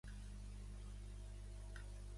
Tenen tres fills: Lucas, Liam, Grady.